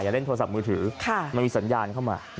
เล่นโทรศัพท์มือถือมันมีสัญญาณเข้ามา